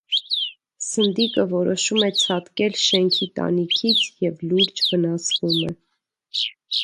Սնդիկը որոշում է ցատկել շենքի տանիքից և լուրջ վնասվում է։